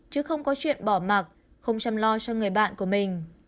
chứ không có chuyện bỏ mặc không chăm lo cho người bạn của mình